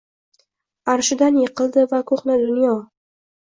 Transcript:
Arshidan yiqildi va ko’hna dunyo —